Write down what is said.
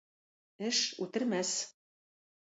Эш үтермәс.